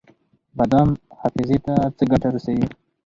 بادام حافظې ته څه ګټه رسوي؟